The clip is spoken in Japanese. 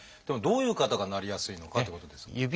どういう方がなりやすいのかってことですが。